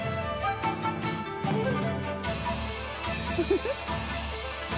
フフフ。